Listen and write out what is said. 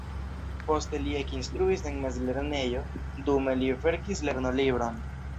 Poste li ekinstruis en mezlernejo, dume li verkis lernolibron.